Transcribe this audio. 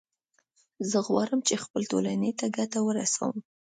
زه غواړم چې خپلې ټولنې ته ګټه ورسوم